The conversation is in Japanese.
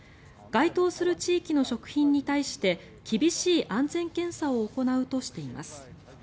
該当する地域の食品に対して厳しい安全検査を行うとしています。